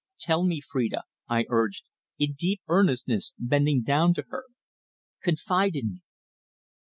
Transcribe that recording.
"Tell me, Phrida," I urged, in deep earnestness, bending down to her. "Confide in me."